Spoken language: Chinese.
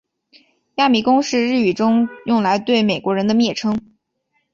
亚米公是日语中用来对美国人的蔑称。